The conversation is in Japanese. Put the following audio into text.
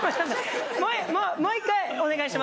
もう１回お願いします。